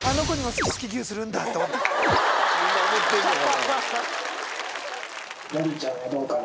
みんな思ってんのかな。